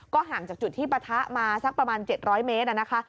ห่างจากจุดที่ปะทะมาสักประมาณ๗๐๐เมตรนะคะ